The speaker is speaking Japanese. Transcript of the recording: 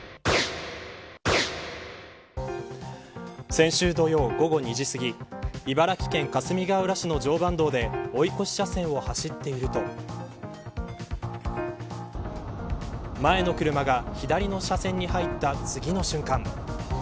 先週土曜、午後２時すぎ茨城県かすみがうら市の常磐道で追い越し車線を走っていると前の車が左の車線に入った次の瞬間。